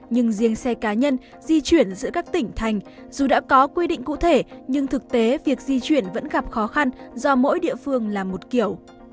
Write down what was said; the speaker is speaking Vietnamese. nhưng riêng xe cá nhân di chuyển giữa các tỉnh thành dù đã có quy định cụ thể nhưng thực tế việc di chuyển vẫn gặp khó khăn do mỗi địa phương là một kiểu